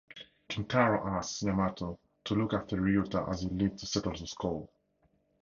Kintaro asks Yamato to look after Ryuta as he leaves to settle the score.